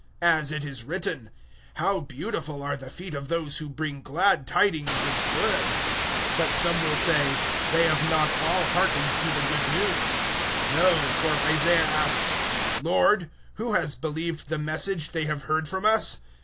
As it is written, "How beautiful are the feet of those who bring glad tidings of good!" 010:016 But, some will say, they have not all hearkened to the Good News. No, for Isaiah asks, "Lord, who has believed the Message they have heard from us?"